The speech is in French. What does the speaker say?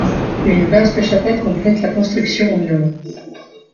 Une vaste chapelle complète la construction au nord.